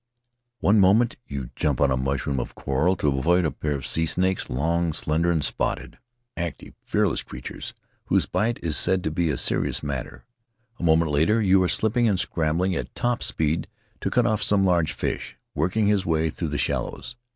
One moment you jump on a mushroom of coral to avoid a pair of sea snakes, long, slender and spotted — active, fearless crea tures whose bite is said to be a serious matter; a mo ment later you are slipping and scrambling at top speed to cut off some large fish, working his way through the shallows.